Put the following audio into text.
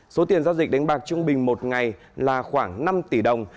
số tiền giao dịch đánh bạc trung bình một ngày là khoảng năm tỷ đồng